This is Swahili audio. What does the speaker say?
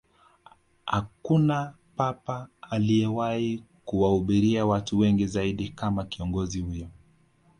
Hakuna Papa aliyewahi kuwahubiria watu wengi zaidi kama kiongozi huyo